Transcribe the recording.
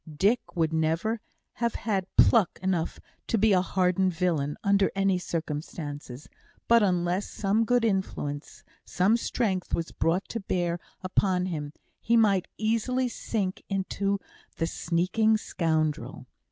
Dick would never have had "pluck" enough to be a hardened villain, under any circumstances; but, unless some good influence, some strength, was brought to bear upon him, he might easily sink into the sneaking scoundrel.